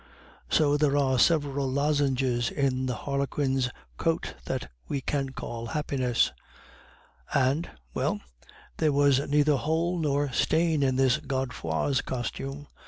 "So there are several lozenges in the harlequin's coat that we call happiness; and well, there was neither hole nor stain in this Godefroid's costume.